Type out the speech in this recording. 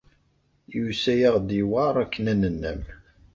Yusa-aɣ-d yewɛeṛ akken ad nennam.